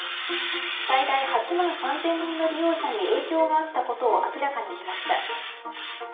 最大８万３０００人の利用者に影響があったことを明らかにしました。